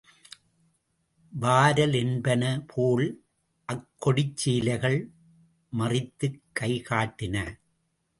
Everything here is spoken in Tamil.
வாரல் என்பனபோல் அக்கொடிச் சீலைகள் மறித்துக் கைகாட்டின.